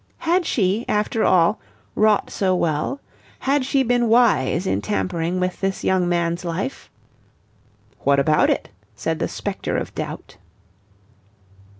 Had she, after all, wrought so well? Had she been wise in tampering with this young man's life? "What about it?" said the Spectre of Doubt.